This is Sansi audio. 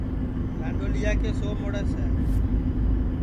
رانڈؔولیا کے سو مُڑس ہے